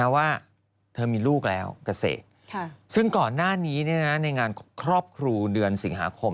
ว่าเธอมีลูกแล้วเกษตรซึ่งก่อนหน้านี้ในงานครอบครูเดือนสิงหาคม